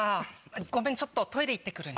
ごめんちょっとトイレ行ってくるね。